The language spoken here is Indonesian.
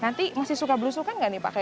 nanti masih suka belusukan nggak nih pak